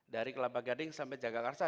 dari kelapa gading sampai jakarta